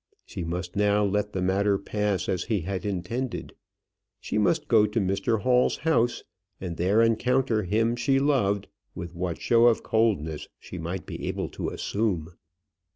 She must now let the matter pass as he had intended. She must go to Mr Hall's house, and there encounter him she loved with what show of coldness she might be able to assume.